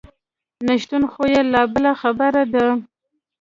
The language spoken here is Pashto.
نشتون خو یې لا بله خبره ده.